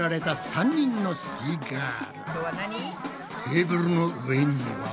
テーブルの上には。